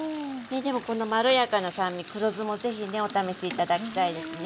でもまろやかな酸味黒酢もぜひねお試し頂きたいですね。